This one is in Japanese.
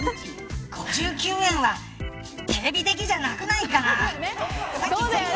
５９円はテレビ的じゃなくないかな。